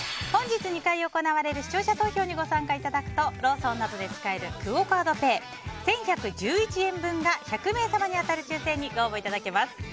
本日２回行われる視聴者投票にご参加いただくとローソンなどで使えるクオ・カードペイ１１１１円分が１００名様に当たる抽選にご応募いただけます。